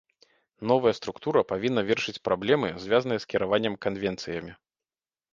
Новая структура павінна вырашыць праблемы, звязаныя з кіраваннем канвенцыямі.